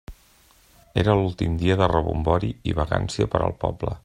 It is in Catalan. Era l'últim dia de rebombori i vagància per al poble.